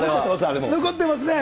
残ってますね。